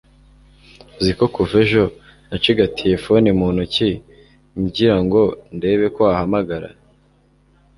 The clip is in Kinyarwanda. uziko kuva ejo nacigatiye phone muntoki ngira ngo ndebe ko wahamagara